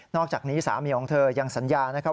อกจากนี้สามีของเธอยังสัญญานะครับ